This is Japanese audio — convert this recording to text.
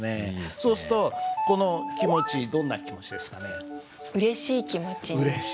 そうするとこの気持ちどんな気持ちですかね？